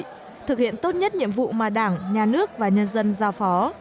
các cơ quan của quốc hội thực hiện tốt nhất nhiệm vụ mà đảng nhà nước và nhân dân giao phó